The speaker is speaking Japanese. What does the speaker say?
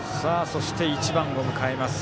そして１番を迎えます。